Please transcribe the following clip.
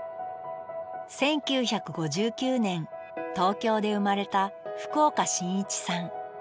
１９５９年東京で生まれた福岡伸一さん。